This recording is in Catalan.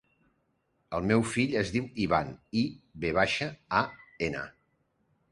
El meu fill es diu Ivan: i, ve baixa, a, ena.